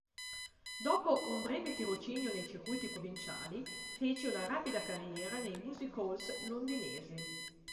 Dopo un breve tirocinio nei circuiti provinciali, fece una rapida carriera nei music-halls londinesi.